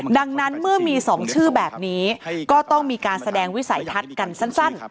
ดังนั้นเมื่อมี๒ชื่อแบบนี้ก็ต้องมีการแสดงวิสัยทัศน์กันสั้น